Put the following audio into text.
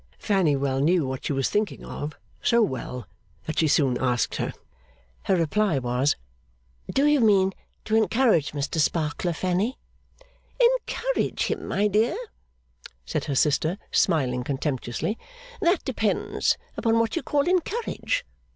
Fanny well knew what she was thinking of; so well, that she soon asked her. Her reply was, 'Do you mean to encourage Mr Sparkler, Fanny?' 'Encourage him, my dear?' said her sister, smiling contemptuously, 'that depends upon what you call encourage.